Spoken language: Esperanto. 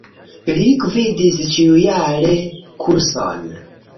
Li gvidis ĉiujare kurson.